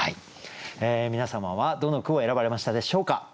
皆様はどの句を選ばれましたでしょうか。